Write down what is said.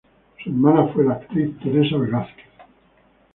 Su hermana fue la actriz Teresa Velázquez.